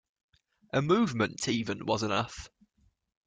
A movement even was enough.